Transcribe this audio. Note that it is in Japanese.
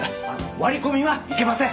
割り込みはいけません。